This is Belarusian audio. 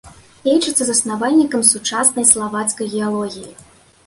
Лічыцца заснавальнікам сучаснай славацкай геалогіі.